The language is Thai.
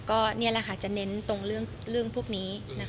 ก็นี่แหละค่ะจะเน้นตรงเรื่องพวกนี้